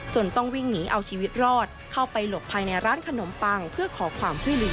ต้องวิ่งหนีเอาชีวิตรอดเข้าไปหลบภายในร้านขนมปังเพื่อขอความช่วยเหลือ